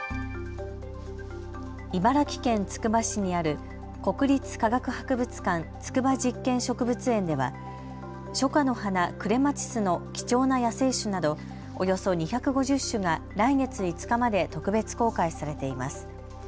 茨城県つくば市にある国立科学博物館筑波実験植物園では初夏の花クレマチスの貴重な野生種などおよそ２５０種が来月５日まで特別公開されています。